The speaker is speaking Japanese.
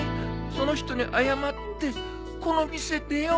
その人に謝ってこの店出よう。